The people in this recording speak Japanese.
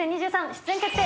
出演決定